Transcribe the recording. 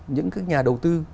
những cái nhà đầu tư